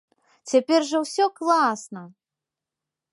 Цяпер жа ўсё класна!